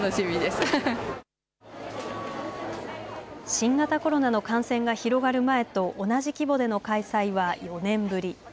新型コロナの感染が広がる前と同じ規模での開催は４年ぶり。